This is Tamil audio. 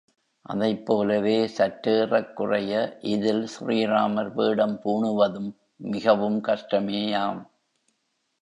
அதைப்போலவே சற்றேறக் குறைய இதில் ஸ்ரீராமர் வேடம் பூணுவதும் மிகவும் கஷ்டமேயாம்.